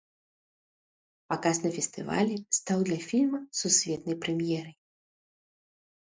Паказ на фестывалі стаў для фільма сусветнай прэм'ерай.